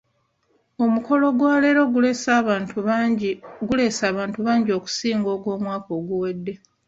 Omukolo gwa leero guleese abantu bangi okusinga ku gw'omwaka oguwedde.